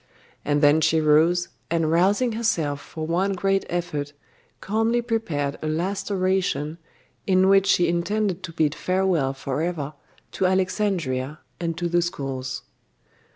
And then she rose, and rousing herself for one great effort, calmly prepared a last oration, in which she intended to bid farewell for ever to Alexandria and to the schools.